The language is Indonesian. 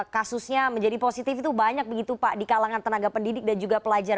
kasusnya menjadi positif itu banyak begitu pak di kalangan tenaga pendidik dan juga pelajar